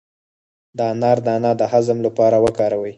د انار دانه د هضم لپاره وکاروئ